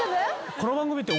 この番組って。